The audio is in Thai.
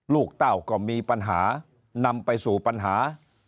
เต้าก็มีปัญหานำไปสู่ปัญหา